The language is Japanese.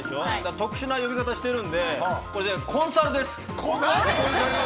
特殊な呼び方してるんで、コンサルです。